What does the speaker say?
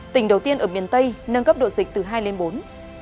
tỉnh đầu tiên ở miền tây nâng cấp độ dịch từ hai lên bốn